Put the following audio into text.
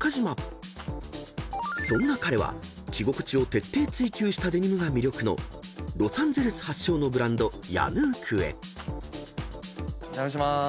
［そんな彼は着心地を徹底追求したデニムが魅力のロサンゼルス発祥のブランド］お邪魔しまーす。